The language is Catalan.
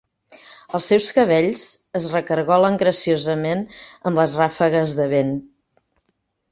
Els seus cabells es recargolen graciosament amb les ràfegues de vent.